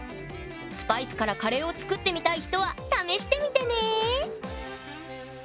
スパイスからカレーを作ってみたい人は試してみてね